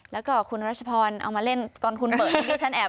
แล้วก็คุณรัชพรเอามาเล่นตอนคุณเปิดให้ดิฉันแอบ